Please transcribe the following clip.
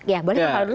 ya boleh apa lu